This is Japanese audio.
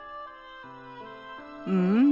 うん。